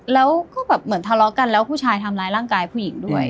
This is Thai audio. แล้วก็แบบเหมือนทะเลาะกันแล้วผู้ชายทำร้ายร่างกายผู้หญิงด้วย